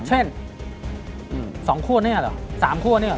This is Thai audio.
เช่น๒คั่วแน่เหรอ๓คั่วเนี่ย